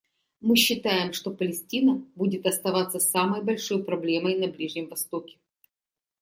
Мы считаем, что Палестина будет оставаться самой большой проблемой на Ближнем Востоке.